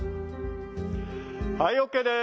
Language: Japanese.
はいＯＫです。